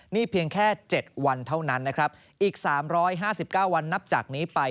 นี่เพียงแค่๗วันเท่านั้นนะครับอีก๓๕๙วันนับจากนี้ไป